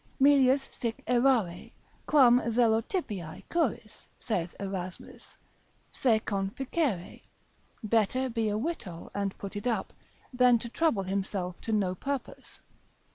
Melius sic errare, quam Zelotypiae curis, saith Erasmus, se conficere, better be a wittol and put it up, than to trouble himself to no purpose.